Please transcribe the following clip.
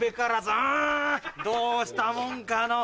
うんどうしたもんかのう？